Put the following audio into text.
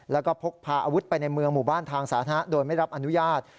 แล้วก็พกพาอาวุธไปในเมืองหมู่บ้านทางสาธารณะโดยไม่รับอนุญาต